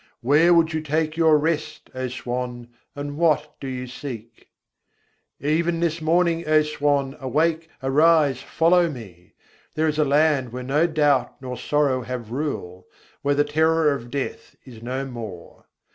Where would you take your rest, O Swan, and what do you seek? Even this morning, O Swan, awake, arise, follow me! There is a land where no doubt nor sorrow have rule: where the terror of Death is no more.